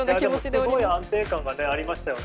すごい安定感がありましたよね。